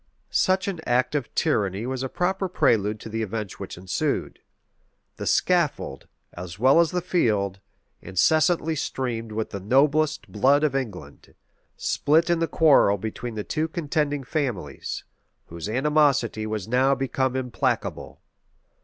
[*] Such an act of tyranny was a proper prelude to the events which ensued. The scaffold, as well as the field, incessantly streamed with the noblest blood of England, spilt in the quarrel between the two contending families, whose animosity was now become implacable.